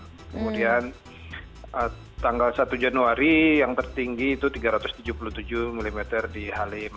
kemudian tanggal satu januari yang tertinggi itu tiga ratus tujuh puluh tujuh mm di halim